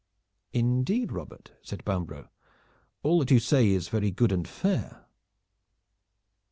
"Indeed, Robert," said Bambro', "all that you say is very good and fair."